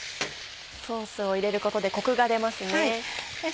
ソースを入れることでコクが出ますね。